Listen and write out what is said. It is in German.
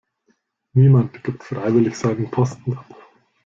Niemand gibt freiwillig seinen Posten ab.